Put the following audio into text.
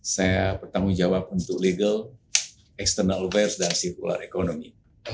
saya bertanggung jawab untuk legal external aware dan sirkular economy